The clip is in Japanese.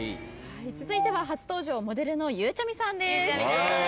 続いては初登場モデルのゆうちゃみさんです。